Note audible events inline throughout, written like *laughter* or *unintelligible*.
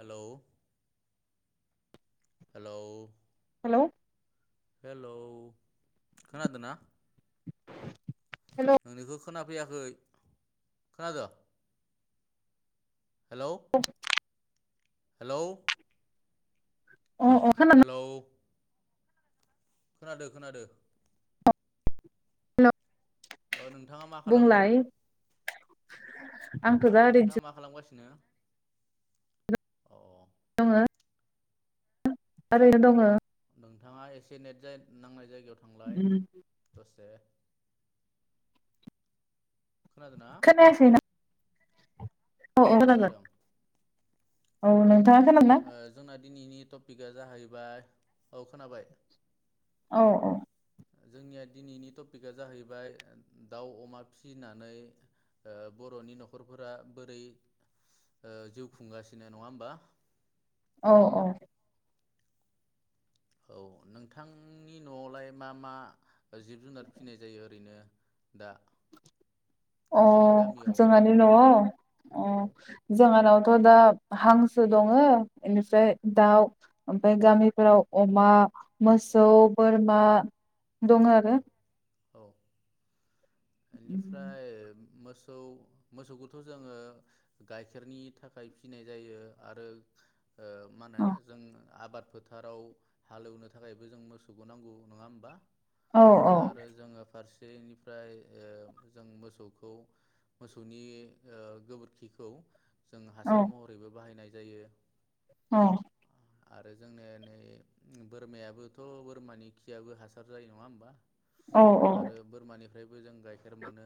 Hello hello hello hello खोनादों ना नोंनिखो खोनाफैयाखै खोनादो हेलौ हेलौ अ अ खोनादों हेलौ खोनादो खोनादो हेल' ओ नोंथाङा मा खालामदों? आंथ' दा नोंथाङा ओरैनोसो मा नो खालामगासिनो औ दङो ओरैनो दङ। नोंथाङा एसे नेट जा नांनाय जाय गायाव थांलाय दसे खोनादोंना? खोनायाखैना औ खोनादों। औ नोंथाङा खोनादोंना ओ जोंना दिनैनि टपिकआ जाहैबाय औ खोनाबाय। औ औ। जोंनिया दिनैनि टपिकआ जाहैबाय दाउ अमा फिसिनानै ओ बर'नि न'खरफोरा बोरै ओ जिउ खुंगासिनो नङा होमबा *inaudible* औ औ। औ नोंथांनि न'आवलाय मा मा? जिब जुनार फिसिनाय जायो ओरैनो। दा। अ नोंसिनि गामियाव जोंहानि न'आव अ औ जोंहानाव थ' दा हांसो दङ बेनिफ्राय दाउ ओमफ्राय गामिफोराव अमा मोसौ बोरमा। दङ औ आरो। औ *inaudible* बेनिफ्राय *inaudible* मोसौ मोसौखौथ जोङो गाइखेरनि थाखाय फिनाय जायो आरो। ओ मा होनो औ जों आबाद फोथाराव हालेवनो थाखायबो जों मोसौखौ नांगौ नङा होमबा औ आरो जोङो फारसे बेनिफ्राय ओ जों मोसौखौ मोसौनि ओ गोबोरखिखौ जों औ हासार महरैबो बाहायनाय जायो। औ। आरो जोंनि नै बोरमायाबोथ बोरमानि खियाबो हासार जायो नङा होमबा? औ आरो बोरमानिफ्राय जों गाइखेर मोनो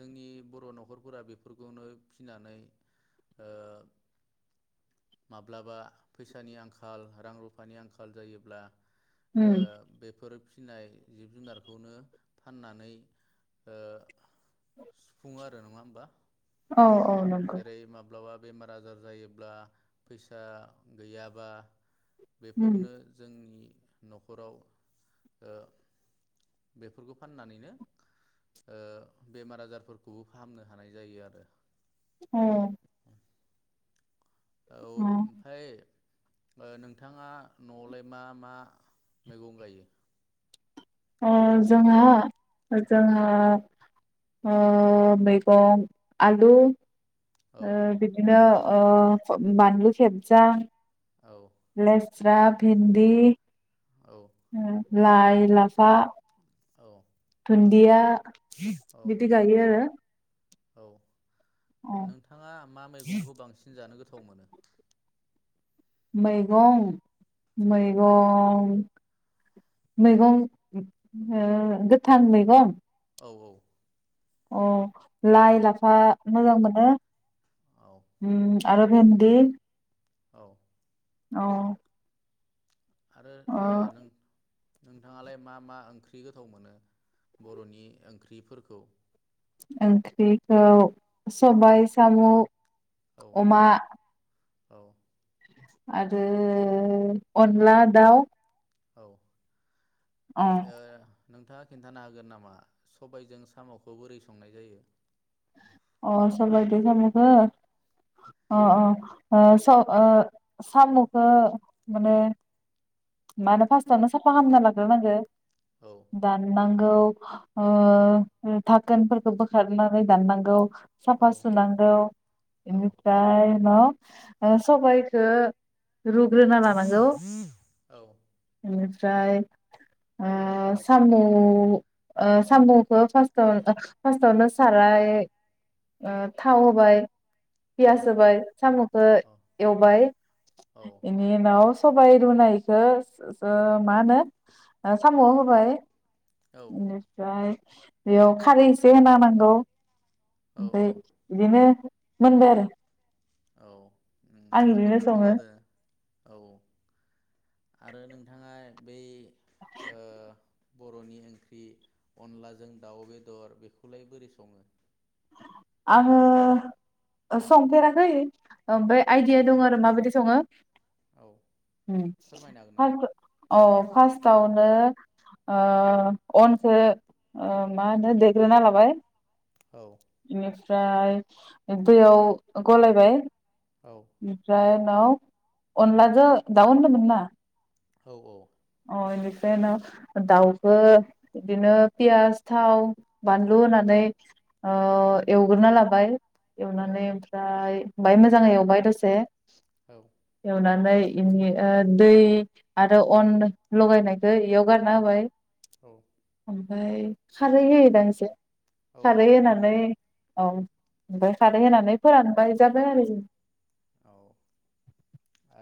जोंनि बर नखरफोरा बेफोरखौनो फिनानै ओ माब्लाबा फैसानि आंखाल रां रुफानि आंखाल जायोब्ला ओ बेफोर नाथाय जिब जुनारखौनो फाननानै ओ *inaudible* सुफुङो आरो नाङा होमबा? औ औ नंगौ। जेरै माब्लाबा बेमार आजार जायोब्ला फैसा गैयाबा बेफोरनो जोंनि नखराव ओ बेफोरखौ फाननानैनो ओ बेमार आजारफोरखौबो फाहामनो हानाय जायो आरो। औ। औ ओमफ्राय ओ नोंथाङा नआवलाय मा मा मैगं गायो। ओ जोंहा जोंहा ओ मैगं आलु। औ ओ बिदिनो ओ बानलु खेबजां। औ लेस। स्रा भिन्दि। औ ओ लाइ लाफा। औ। दुणडिया। औ बिदि गायो आरो। औ अ नोंथाङा मा मैगंखौ बांसिन जानो गोथाव थाव मोनो? मैगं। औ मैगं। मैगं ओ गोथां मैगं। औ औ। अ लाइ लाफा मोजां मोनो। औ उम। आरो भेनदि। औ। औ। आरो ओ नों नोंथाङालाय मा मा ओंख्रि गोथाव मोनो बर'नि ओंख्रिफोरखौ? ओंख्रिखौ सबाइ साम'। औ अमा। औ। आरो अनला दाउ। औ। औ। नोंथाङा खिन्थानो होगोन नामा सबाइजों साम'खौ बोरै संनाय जायो? अ सबाइदो साम'खो अ अ ओ स ओ साम'खो माने मा होनो फास्टावनो साफा खालामना लाग्रोनांगो। औ दाननां गौ। ओ औ *unintelligible* खोनफोरखौ बोखारनानै दाननांगौ। औ साफा सुनांगौ औ बेनिफ्राय उनाव ओ सबाइखो रुग्रोना लानांगौ। औ इनिफ्राय ओ साम' ओ साम'खो फास्टाव ओ फास्टावनो साराय ओ थाव होबाय। पियास होबाय साम'खो औ एवबाय इनिउनाव सबाइ रुनाय खो *unintelligible* मा होनो ओ साम'वाव होबाय। औ इनिफ्राय बेयाव खारै एसे होना होनांगौ। औ ओमफाय औ इदिनो मोनबाय आरो। औ उम आं जोबोर बिदिनो गोथाव सङो जादो औ औ। आरो नोंथाङा बै ओ बर'नि ओंख्रि अनलाजों दाउ बेदर बेखौलाय बोरै सङो? आङो संफेराखै। ओमफ्राय औ आइडिया दं आरो माबायदि सङो औ उम फोरमायनो हागोन *inaudible* नामा अ फार्स्टावनो आ अनखौ ओ मा होनो देग्रोना लाबाय। औ बेनिफ्राय दैयाव गलायबाय औ ओमफ्राय औ अनला जो दाव होनदोंमोनना? औ औ बेनिफ्राय नाव दाउखो बिदिनो पियास थाव बानलु होननानै ओ एवगोरना लाबाय एवनानै ओमफ्राय बाय मोजां एवबाय दसे औ एवना नै इनि दै आरो अन लगायनायखौ एयाव गारना होबाय औ ओमफ्राय खारै होयोदां एसे औ औ खारै खारि होनानै होयो। औ ओमफ्राय खारै होनानै फोरानबाय जाबाय आरो औ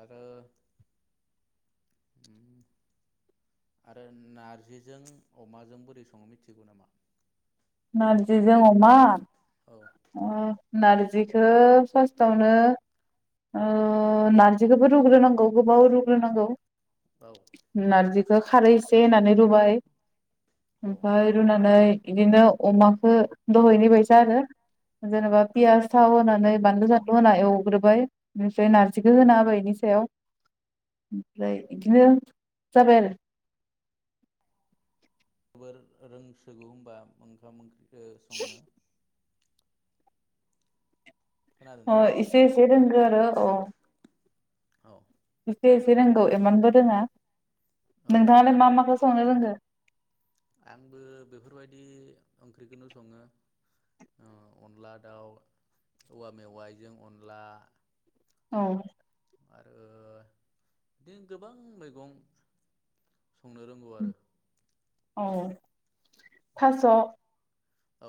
आरो आरो नारजिजों अमाजों बोरै सङो मिथिगौ नामा? नारजिजों अमा? औ उम नार्जिखौ फार्स्टआवनो ओ नार्जिखौबो रुग्रोनांगौ गोबाव रुग्रोनांगौ। औ नारजि जो खारै एसे होननानै रुबाय औ ओमफाय रुनानै बिदिनो अमाखो दहैनि बायसा आरो औ जेनबा पियास थाव होनानै बानलु सानलु होना एवग्रोबाय बेनिफ्राय नारजिखौ होना होबाय बेनि सायाव ओमफ्राय इदिनो जाबाय आरो जोबोर रोंसोगौ होनबा ओंखाम ओंख्रि संनो। अ खोनादोंना एसे एसे रोंगो आरो औ। औ एसे एसे रोंगौ एमानबो रोङा। औ नोंथाङालाय मा मा संनो रोंगो। आंबो बेफोरबायदि ओंख्रिखौनो सङो ओ अनला दाउ, औवा मेवाइजों अनला। औ आरो बिदिनो गोबां मैगं संनो रोंगौ आरो। औ थास'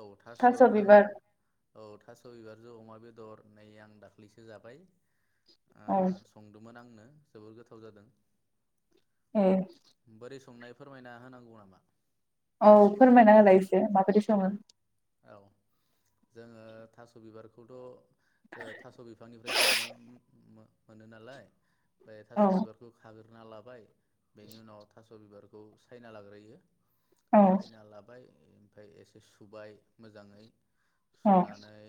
औ थास' थास'जों बिबार औ थास' बिबारजों अमा बेदर नै आं दाख्लैसो जाबाय। ओ औ संदोमोन आंनो। जोबोर गोथाव जादों। ए बोरै संनाय? फोरमायना होनांगौ नामा? औ फोरमायना होलाय एसे माबायदि सङो? औ जोङो थास' बिबारखौथ' ओ थास' बिफांनिफ्रायसो मोनो। मो-मोनो नालाय। बाय थास' औ बिबारखौ खाग्रो ना लाबाय बेनि उनाव थास' बिबारखौ सायना लाग्रोयो। नोंथाङा सायना लाबाय ओमफाय एसे सुबाय मोजाङै सुनानै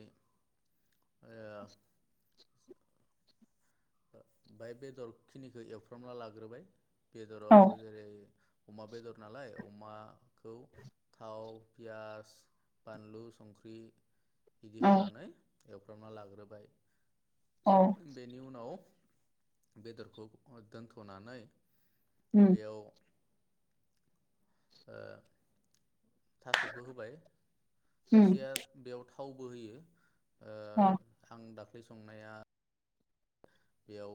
ओ बाय बेदरखिनिखौ एवफ्रामना लाग्रोबाय। बेदराव जेरै अमा बेदर नालाय अमाखौ थाव, पियास, बानलु, संख्रि बिदि होनानै एवफ्रामना लाग्रोबाय। बेनि उनाव बेदरखौ दोनथ'नानै बेयाव ओ थास'खौ होबाय। खायसेया बेयाव था थावबो होयो। औ। आं दाख्लै संनाया बेयाव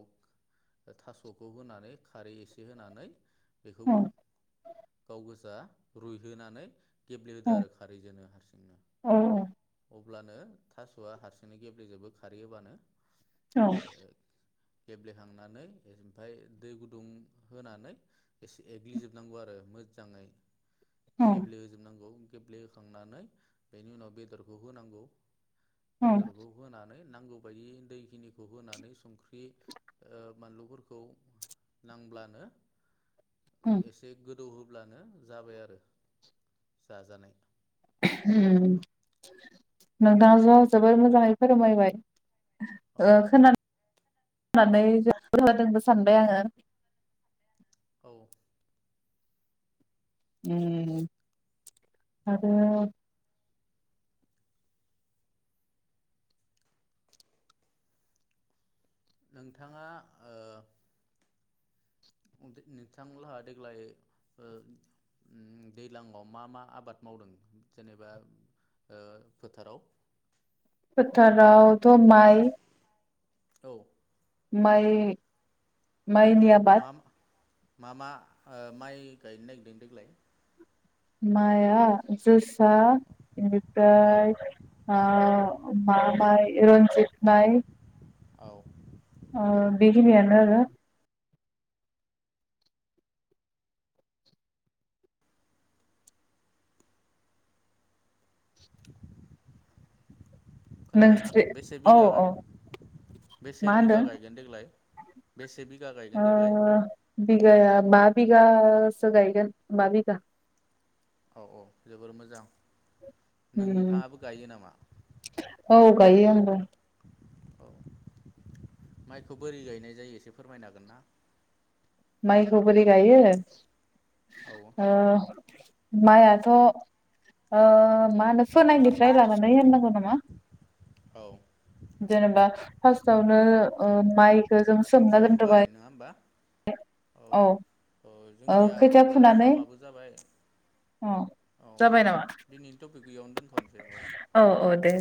थास'खौ होनानै खारै एसे होनानै बेखौ गाव गोजा रुइहोनानै गेब्लेहोदो आरो खारैजोनो हारसिंनो अब अब्लानो थास'आ हारसिंनो गेब्लेजोबो खारैहोबानो। *unintelligible* गेब्लेखांनानै ओमफ्राय दै गुदुं होनानै एसे एग्लिजोबनांगौ आरो मोजाङै। गेब्ले होजोबनांगौ। गेब्लेहोखांनानै बेनि उनाव बेदरखौ होनांगौ। बेदरखौ होनानै नांगौ बायदि दैखिनिखौ होनानै संख्रि ओ बानलुफोरखौ नांब्लानो एसे गो गोदौ होब्लानो जाबाय आरो जाजानाय। *unintelligible* नोंथाङाथ' जबोर मोजाङै फोरमायबाय। औ ओ खोनानो *unintelligible* सानबाय आङो। *inaudible* उ आरो नोंथाङा ओ नोंथांलाहा देग्लाय ओ दैज्लाङाव मा मा आबाद मावदों जेनेबा ओ फोथाराव? फोथाराव थ माइ औ माइ माइ नि आबाद मा मा मा ओ माइ गायनो नागिरदों देग्लाय? माया जोसा *unintelligible* औ बेनिफ्राय आ *unintelligible* फाय रन्जित माइ औ आ बेखिनि आनो‌ आरो खोनादोंना नोंस्रि बेसे औ बिगा औ बेसे मा बिगा होनदों गायगोन देग्लाय बेसे बिगा ओ गायगोन देग्लाय बिगाया बा बिगासो गायगोन बा बिगा औ औ जोबोर मोजां उम नोंथाङाबो गायो नामा? औ गायो आंबो औ माइखौ बोरै गायनाय जायो एसे फोरमायनो हांगोन ना? माइखौ बोरै गायो औ ओ माइआथ' ओ मा होनो फोनायनिफ्राय लानानै होननांगौ नामा औ जेनेबा फार्स्टावनो ओ माइ खोथिया फुबाय नङा होमबा औ औ औ ओ जोंनिया खोथिया अब्ला फुनानै समाबो जाबाय अ औ जाबाय नामा दिनैनि टपिक एयावनो दोनथ'नोसै औ औ दे